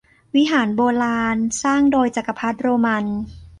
วิหารโบราณสร้างโดยจักรพรรดิโรมัน